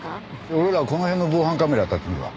俺らはこの辺の防犯カメラあたってみるわ。